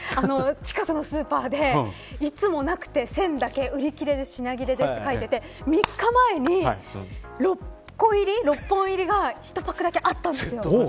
近くのスーパーでいつもなくて１０００だけ売り切れで品切れですって書いてて３日前に６本入りが１パックだけあったんですよ。